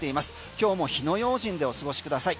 今日も火の用心でお過ごしください。